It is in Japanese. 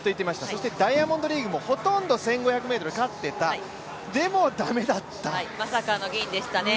そしてダイヤモンドリーグもほとんど１５００ｍ勝ってた、まさかの銀でしたね。